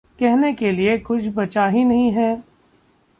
कहने के लिये कुछ बचा ही नहीं है!